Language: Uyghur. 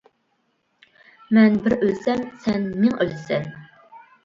مەن بىر ئۆلسەم سەن مىڭ ئۆلىسەن.